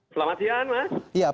selamat siang mas